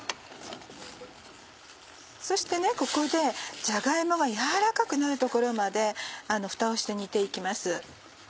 そしてここでじゃが芋が軟らかくなるところまでふたをして煮て行きます。